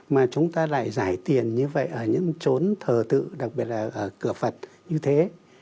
mà chúng ta lại giải tiền như vậy ở những trốn thờ tự đặc biệt là ở cửa phật như thế